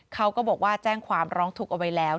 เขาก็บอกว่าแจ้งความร้องทุกข์เอาไว้แล้ว